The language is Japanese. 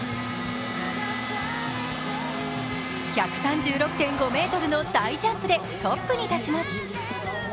１３６．５ｍの大ジャンプでトップに立ちます。